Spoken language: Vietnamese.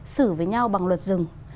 xử với nhau bằng luật dừng